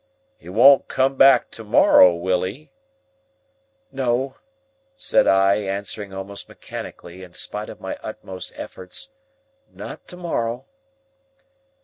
"He won't come back to morrow; will he?" "No," said I, answering almost mechanically, in spite of my utmost efforts; "not to morrow."